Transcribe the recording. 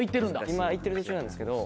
今行ってる途中なんですけど。